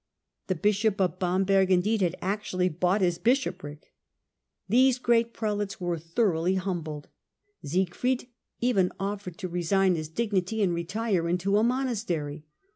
The bishop of Bamberg, indeed, had actually bought his bishopric. These great prelates were thoroughly humbled ; Sieg fried even offered to resign his dignity and retire into a monastery.